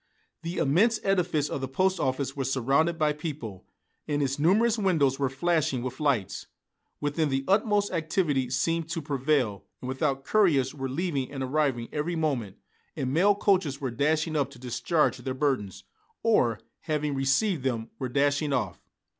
The immense edifice of the post office was surrounded by people, and its numerous windows were flashing with lights. Within the utmost activity seemed to prevail, and without couriers were leaving and arriving every moment, and mail coaches were dashing up to discharge their burdens, or, having received them, were dashing off.